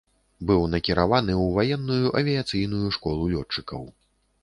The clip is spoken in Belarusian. Быў накіраваны ў ваенную авіяцыйную школу лётчыкаў.